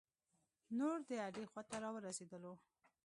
نور د اډې خواته را ورسیدلو.